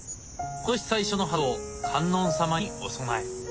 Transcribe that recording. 今年最初の蓮を観音様にお供え。